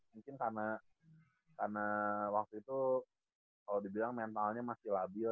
mungkin karena waktu itu kalau dibilang mentalnya masih labil